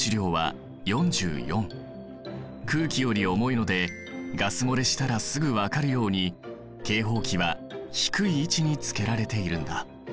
空気より重いのでガス漏れしたらすぐ分かるように警報器は低い位置につけられているんだ。